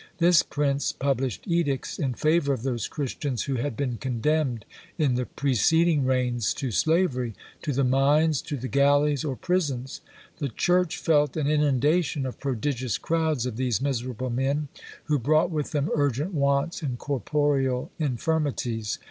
This prince published edicts in favour of those Christians who had been condemned in the preceding reigns to slavery, to the mines, to the galleys, or prisons. The church felt an inundation of prodigious crowds of these miserable men, who brought with them urgent wants and corporeal infirmities.